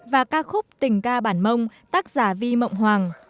và ca khúc tình ca bản mông tác giả vi mộng hoàng